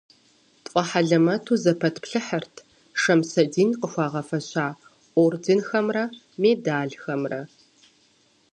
ТфӀэхьэлэмэту зэпэтплъыхьырт Шэмсэдин къыхуагъэфэща орденхэмрэ медалхэмрэ.